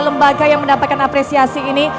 lembaga yang mendapatkan apresiasi ini